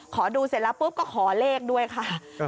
ขอดูเสร็จแล้วปุ๊บก็ขอเลขด้วยค่ะ